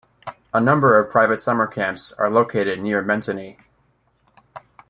A number of private summer camps are located near Mentone.